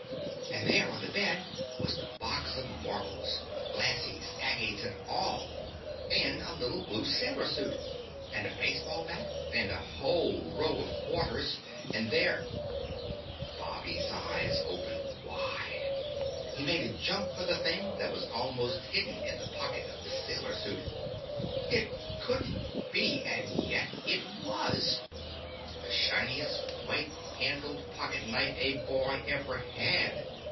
And there on the bed was the box of marbles, "glassies," agates and all, and a little blue sailor suit, and a baseball bat, and a whole row of quarters, and there Bobby's eyes opened wide and he made a jump for the thing that was almost hidden in the pocket of the sailor suit. It couldn't be, and yet it was! The shiningest, white handled pocket knife a boy ever had!